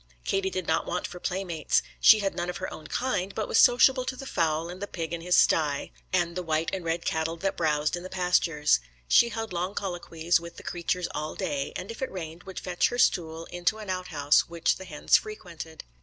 Katie did not want for playmates. She had none of her own kind, but was sociable to the fowl and the pig in his stye, and the white and red cattle that browsed in the pastures. She held long colloquies with the creatures all day, and if it rained would fetch her stool into an out house which the hens frequented.